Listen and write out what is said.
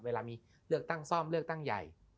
เวลามีเลือกตั้งซ่อมเลือกตั้งใหญ่